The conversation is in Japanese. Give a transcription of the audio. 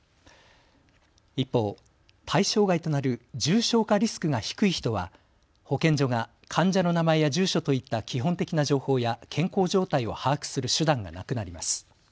一方、対象外となる重症化リスクが低い人は保健所が患者の名前や住所といった基本的な情報や健康状態を把握する手段がなくなります。